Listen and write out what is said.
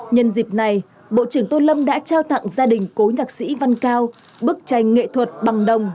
nhân dịp này bộ trưởng tôn lâm đã trao tặng gia đình cố nhạc sĩ văn cao bức tranh nghệ thuật bằng đồng